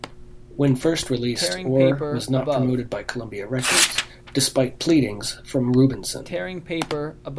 When first released, "Oar" was not promoted by Columbia Records, despite pleadings from Rubinson.